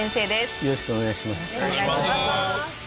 よろしくお願いします。